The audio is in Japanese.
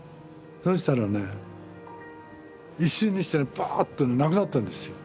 そしたらね一瞬にしてねばっとねなくなったんですよ。